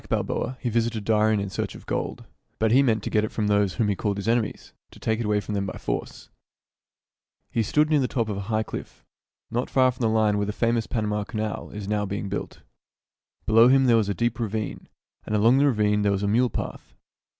STO. — 2 1 7 1 8 THIRTY MORE FAMOUS STORIES Balboa, he visited Darien in search of gold ; but he meant to get it from those whom he called his enemies — to take it away from them by force. He stood near the top of a high cliff, not far from the line where the famous Panama Canal is now being built. Below him there was a deep ravine, and along the ravine there was a mule path.